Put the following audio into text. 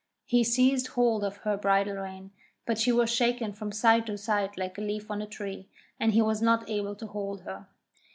He seized hold of her bridle rein, but he was shaken from side to side like a leaf on a tree, and he was not able to hold her.